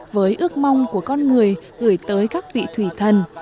với ước mong của con người gửi tới các vị thủy thần